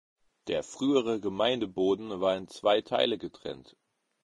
Der frühere Gemeindeboden war in zwei Teile getrennt.